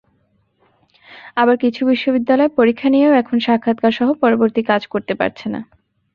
আবার কিছু বিশ্ববিদ্যালয় পরীক্ষা নিয়েও এখন সাক্ষাৎকারসহ পরবর্তী কাজ করতে পারছে না।